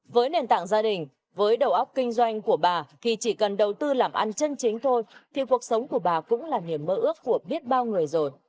với nền tảng gia đình với đầu óc kinh doanh của bà thì chỉ cần đầu tư làm ăn chân chính thôi thì cuộc sống của bà cũng là niềm mơ ước của biết bao người rồi